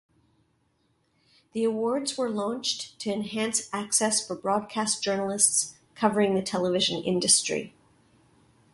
The awards were launched "to enhance access for broadcast journalists covering the television industry".